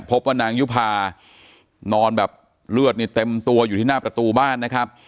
พบว่านางยุภานอนแบบเลือดนี่เต็มตัวอยู่ที่หน้าประตูบ้านนะครับ